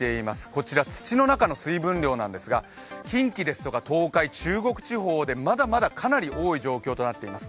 こちら土の中の水分量なんですが近畿、東海、中国地方でまだまだかなり多い状況となっています。